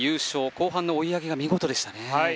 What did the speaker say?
後半の追い上げが見事でしたね。